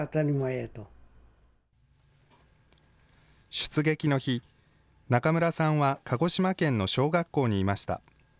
出撃の日、中村さんは鹿児島県の小学校にいました。